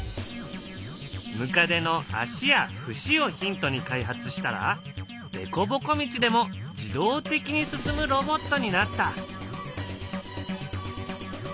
ムカデの足や節をヒントに開発したらでこぼこ道でも自動的に進むロボットになった。